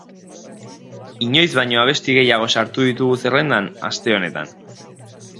Inoiz baino abesti gehiago sartu ditugu zerrendan, aste honetan.